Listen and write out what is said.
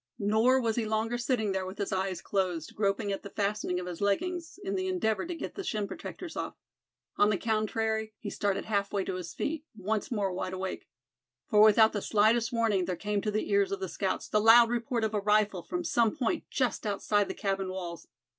Nor was he longer sitting there with his eyes closed, groping at the fastening of his leggings in the endeavor to get the shin protectors off. On the contrary he started half way to his feet, once more wide awake. For without the slightest warning there came to the ears of the scouts the loud report of a rifle from some point just outside the cabin walls.